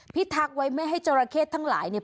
ทักษ์ไว้ไม่ให้จราเข้ทั้งหลายเนี่ย